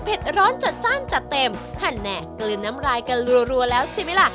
เผ็ดร้อนจัดจ้านจัดเต็มหันแหน่กลืนน้ำลายกันรัวแล้วสิมีล่ะ